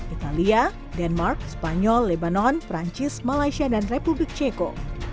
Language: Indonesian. italia denmark spanyol lebanon perancis malaysia dan republik ceko